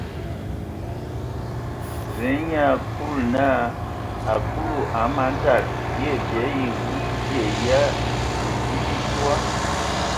Zǝ nye ai Kulu naa : a Kulu, a man tad, eyə bii awu zie ya bidi bi toa ?